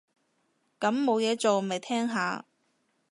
咁冇嘢做，咪聽下